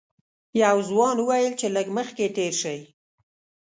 یوه ځوان وویل چې لږ مخکې تېر شئ.